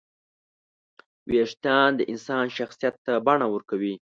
وېښتيان د انسان شخصیت ته بڼه ورکوي.